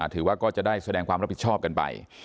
ถือว่าก็จะได้แสดงความรับผิดชอบกันไป